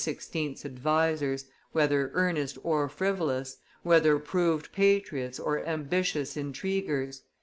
's advisers, whether earnest or frivolous, whether proved patriots or ambitious intriguers.